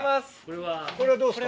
これはどうですか？